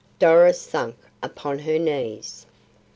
Doris sank upon her knees.